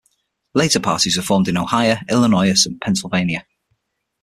Later parties were formed in Ohio, Illinois, and Pennsylvania.